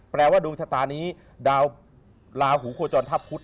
แปลว่าดวงชะตานี้ดาวลาหูโคจรทัพพุทธ